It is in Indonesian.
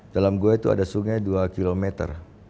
dalam gua itu ada sungai dua kilometer